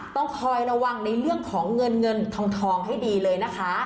ต้องคอยระวังในเรื่องของเงินเงินทองให้ดีเลยนะคะ